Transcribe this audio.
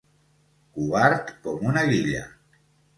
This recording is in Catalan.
Covard com una guilla.